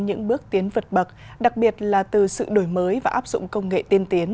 những bước tiến vượt bậc đặc biệt là từ sự đổi mới và áp dụng công nghệ tiên tiến